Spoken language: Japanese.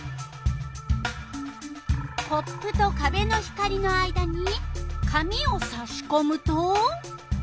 コップとかべの光の間に紙をさしこむと？